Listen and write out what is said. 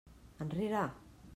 Enrere!